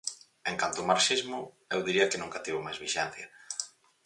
En canto ao marxismo, eu diría que nunca tivo máis vixencia.